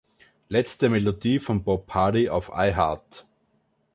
letzte Melodie von Bob Hardy auf Iheart